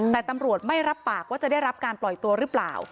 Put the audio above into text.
แต่ตำรวจไม่รับปากว่าจะได้รับการปล่อยตัวหรือเปล่า